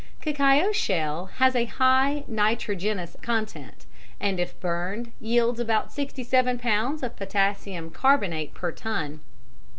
Cacao shell has a high nitrogenous content, and if burned yields about 67 lbs. of potassium carbonate per ton.